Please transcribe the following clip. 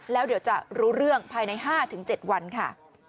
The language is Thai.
แล้วเดี๋ยวจะรู้เรื่องภายใน๕๗วันค่ะ